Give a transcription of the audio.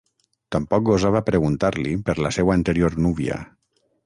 Tampoc gosava preguntar-li per la seua anterior núvia.